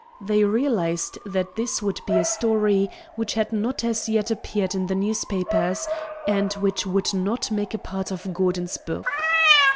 They realized that this would be a story which had not as yet appeared in the newspapers, and which would not make a part of Gordon's book.